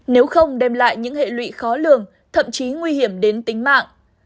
nếu không đem lại những hệ lụy khó lường thậm chí nguy hiểm đến tính mạng